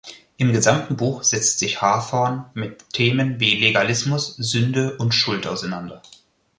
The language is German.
Im gesamten Buch setzt sich Hawthorne mit Themen wie Legalismus, Sünde und Schuld auseinander.